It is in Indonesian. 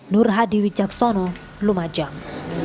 nur hadi wijaksono lumajang